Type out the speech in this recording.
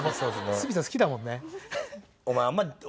鷲見さん好きだもんね